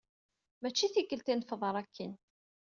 Mačči tikelt i nefḍer akken.